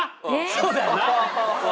そうだよな？